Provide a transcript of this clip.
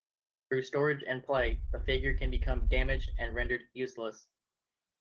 Through storage and play, the figure can become damaged and rendered useless.